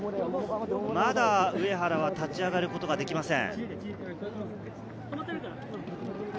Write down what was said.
また上原は立ち上がることができません。